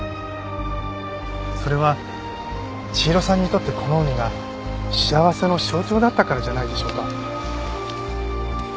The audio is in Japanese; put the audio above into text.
それは千尋さんにとってこの海が幸せの象徴だったからじゃないでしょうか。